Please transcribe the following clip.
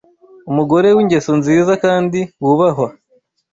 umugore w’ingeso nziza kandi wubahwa